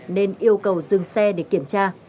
nên yêu cầu dừng xe để kiểm tra